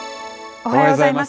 おはようございます。